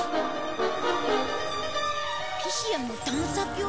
ピシアの探査球！？